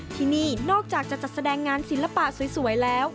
ที่นี่นอกจากจะจัดแสดงงานศิลปะสวยแล้ว